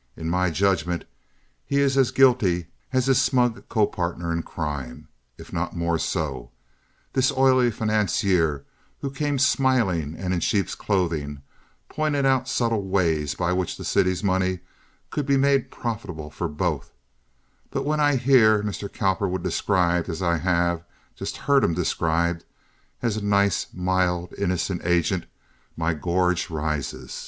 In my judgment he is as guilty as his smug co partner in crime—if not more so—this oily financier who came smiling and in sheep's clothing, pointing out subtle ways by which the city's money could be made profitable for both; but when I hear Mr. Cowperwood described as I have just heard him described, as a nice, mild, innocent agent, my gorge rises.